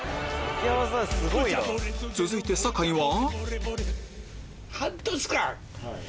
続いて酒井は？